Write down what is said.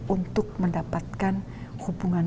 untuk mendapatkan hubungan